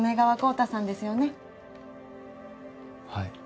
はい。